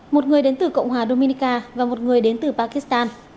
một người đến từ cộng hòa dominica và một người đến từ pakistan